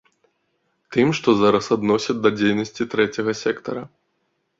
Тым, што зараз адносяць да дзейнасці трэцяга сектара.